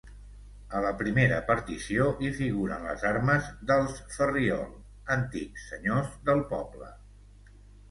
A la primera partició hi figuren les armes dels Ferriol, antics senyors del poble.